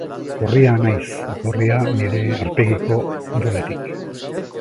Gorria naiz, gorria nire aurpegiko odoletik.